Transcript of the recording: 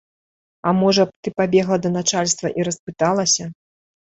А можа б, ты пабегла да начальства і распыталася.